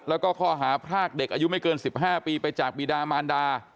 แล้วก็ข้อหาพรากเด็กอายุไม่เกิน๑๕ปีไปจากบีดามานดา